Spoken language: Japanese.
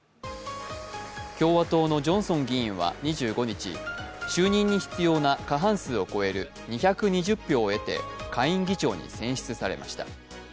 共和党のジョンソン議員は２５日、就任に必要な過半数を超える２２０票を得て、下院議長に選出されました。